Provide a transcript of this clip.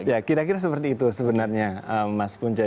ya kira kira seperti itu sebenarnya mas punca